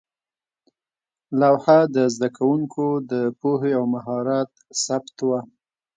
لوحه د زده کوونکو د پوهې او مهارت ثبت وه.